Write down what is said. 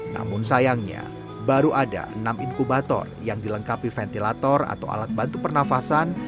namun sayangnya baru ada enam inkubator yang dilengkapi ventilator atau alat bantu pernafasan